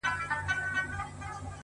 o دادی بیا نمک پاسي ده. پر زخمونو د ځپلو.